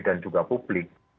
dan juga publik